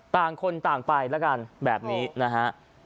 ต่างคนต่างไปแล้วกันแบบนี้นะฮะ